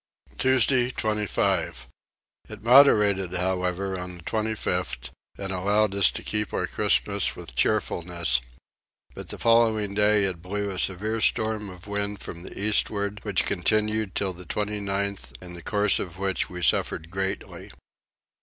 Tuesday 25. It moderated however on the 25th and allowed us to keep our Christmas with cheerfulness; but the following day it blew a severe storm of wind from the eastward, which continued till the 29th, in the course of which we suffered greatly.